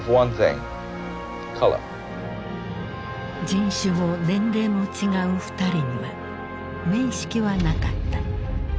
人種も年齢も違う２人には面識はなかった。